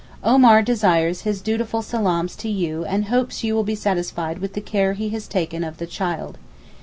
Omar desires his dutiful salaams to you and hopes you will be satisfied with the care he has taken of 'the child.